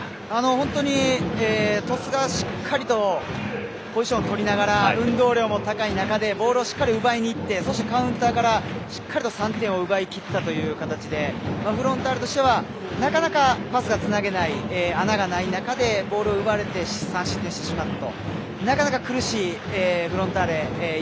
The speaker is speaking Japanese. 本当に鳥栖がしっかりとポジションを取りながら運動量も高い中でボールをしっかり奪いにいってそして、カウンターからしっかり３点を奪いきったという形でフロンターレとしてはなかなかパスがつなげない穴がない中でボールを奪われて３失点してしまったと。